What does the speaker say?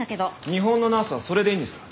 日本のナースはそれでいいんですか？